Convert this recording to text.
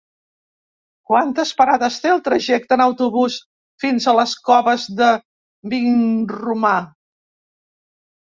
Quantes parades té el trajecte en autobús fins a les Coves de Vinromà?